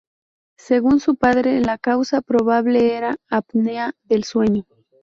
Según su padre, la causa probable era apnea del sueño.